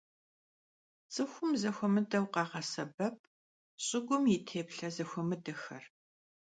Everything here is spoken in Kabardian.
Ts'ıxum zexuemıdeu khağesebep ş'ıgum yi têplhe zexuemıdexer.